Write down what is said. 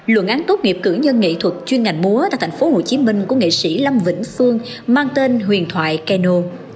luận án tốt nghiệp cử nhân nghệ thuật chuyên ngành múa tại tp hcm của nghệ sĩ lâm vĩnh phương mang tên huyền thoại keno